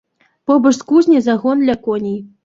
Побач з кузняй загон для коней.